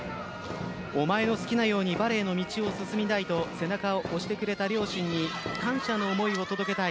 お前の好きなようにバレーの道を進みなさいと背中を押してくれた両親に感謝の思いを届けたい。